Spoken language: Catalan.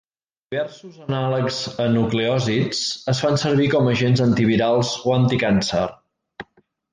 Diversos anàlegs a nucleòsids es fan servir com agents antivirals o anticàncer.